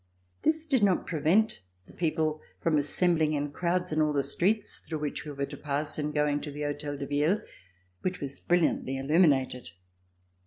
This did not prevent the people from assembhng in crowds in all the streets through which we were to pass in going to the Hotel de Ville which was brilliantly illuminated.